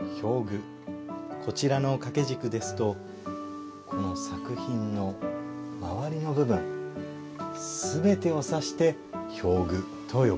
こちらの掛け軸ですとこの作品の周りの部分全てを指して「表具」と呼ばれます。